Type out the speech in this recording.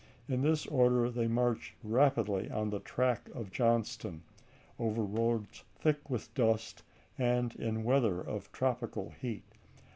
In this order they marched rapidly on the track of Johnston, over roads thick with dust and in weather of tropical heat.